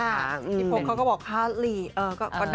มันคือหายเหนื่อยหรือยังเหนื่อยจากปาร์ตี้หรือยังยังแฮงอยู่หรือเปล่าประมาณนี้